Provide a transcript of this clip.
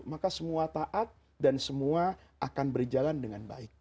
maka semua taat dan semua akan berjalan dengan baik